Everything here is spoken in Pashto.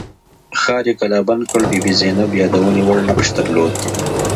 ښار یې کلابند کړ بي بي زینب یادونې وړ نقش درلود.